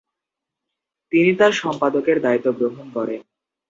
তিনি তার সম্পাদকের দায়িত্ব গ্রহণ করেন।